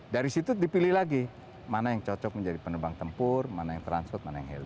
dari situ dipilih lagi mana yang cocok menjadi penerbang tempur mana yang transport mana yang heli